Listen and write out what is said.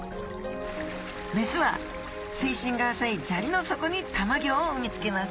メスは水深が浅いじゃりの底にたまギョを産みつけます。